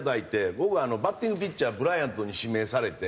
僕はバッティングピッチャーブライアントに指名されて。